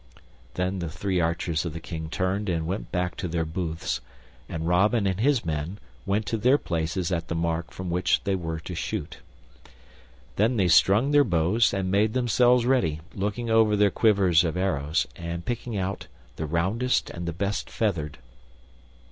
Then the three archers of the King turned and went back to their booths, and Robin and his men went to their places at the mark from which they were to shoot. Then they strung their bows and made themselves ready, looking over their quivers of arrows, and picking out the roundest and the best feathered.